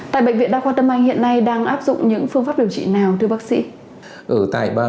tại bệnh viện đa khoa tâm anh hiện nay đang áp dụng những phương pháp điều trị nào thưa bác sĩ